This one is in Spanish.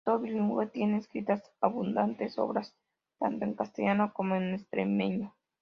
Autor bilingüe, tiene escritas abundantes obras tanto en castellano como en extremeño.